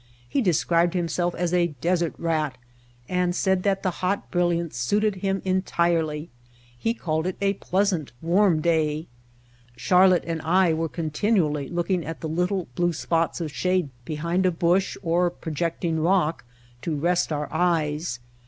He de scribed himself as a "desert rat," and said that the hot brilliance suited him entirely. He called it a pleasant, warm day. Charlotte and I were continually looking at the little blue spots of shade behind a bush or projecting rock to rest our eyes.